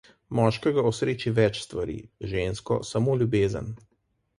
Moškega osreči več stvari, žensko samo ljubezen.